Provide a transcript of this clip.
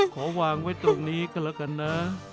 ขอวางไว้ตรงนี้ก็แล้วกันนะ